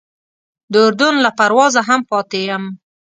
د اردن له پروازه هم پاتې یم.